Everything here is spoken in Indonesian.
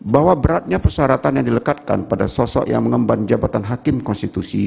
bahwa beratnya persyaratan yang dilekatkan pada sosok yang mengemban jabatan hakim konstitusi